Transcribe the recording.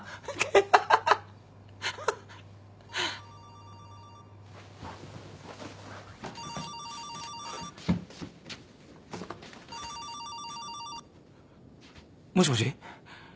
ハハハ。もしもし？